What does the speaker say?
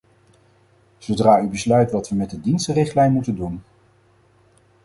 Zodra u besluit wat we met de dienstenrichtlijn moeten doen!